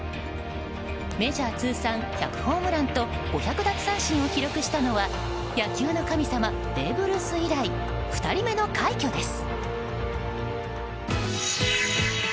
メジャー通算１００ホームランと５００奪三振を記録したのは野球の神様ベーブ・ルース以来２人目の快挙です。